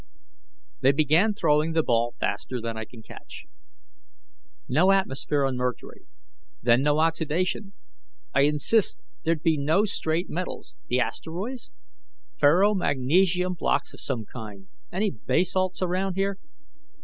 They began throwing the ball faster than I could catch: "No atmosphere on Mercury, then no oxidation; I insist there'd be no straight metals.... The asteroids? Ferromagnesian blocks of some kind any basalts around here?...